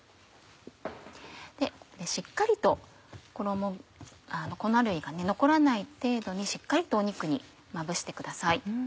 ここでしっかりと粉類が残らない程度にしっかりとお肉にまぶしてください。